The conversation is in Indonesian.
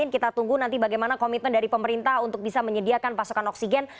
kita tunggu nanti bagaimana komitmen dari pemerintah untuk bisa menyediakan pasokan oksigen